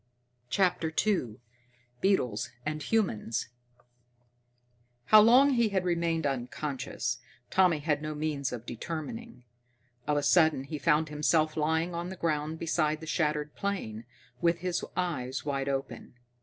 CHAPTER II Beetles and Humans How long he had remained unconscious, Tommy had no means of determining. Of a sudden he found himself lying on the ground beside the shattered plane, with his eyes wide open.